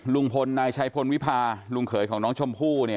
ลุงพลนายชัยพลวิพาลุงเขยของน้องชมพู่